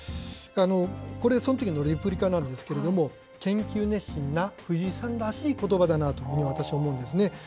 これ、そのときのレプリカなんですけれども、研究熱心な藤井さんらしいことばだなというふうに、私思うんですね。